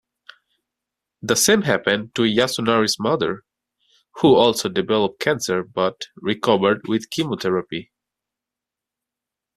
The same happened to Yasunari's mother, who also developed cancer but recovered with chemotherapy.